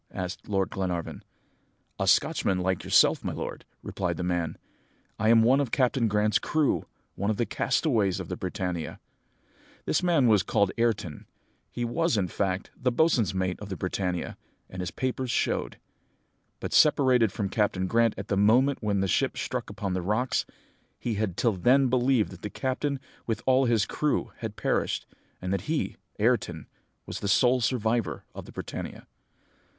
asked Lord Glenarvan. "'A Scotchman like yourself, my lord,' replied the man; 'I am one of Captain Grant's crew one of the castaways of the Britannia.' "This man was called Ayrton. He was, in fact, the boatswain's mate of the Britannia, as his papers showed. But, separated from Captain Grant at the moment when the ship struck upon the rocks, he had till then believed that the captain with all his crew had perished, and that he, Ayrton, was the sole survivor of the Britannia.